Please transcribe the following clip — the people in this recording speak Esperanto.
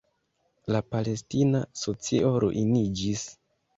La palestina socio ruiniĝis.